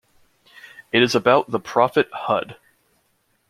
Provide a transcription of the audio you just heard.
It is about the prophet Hud.